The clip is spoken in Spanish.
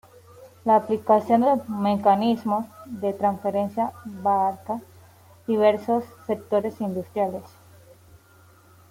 La aplicación de mecanismos de transferencia abarca diversos sectores industriales.